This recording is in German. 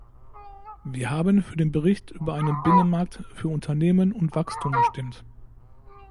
Wir haben für den Bericht über einen Binnenmarkt für Unternehmen und Wachstum gestimmt.